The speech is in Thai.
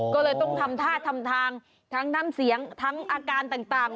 ก็เลยต้องทำท่าทำทางทั้งน้ำเสียงทั้งอาการต่าง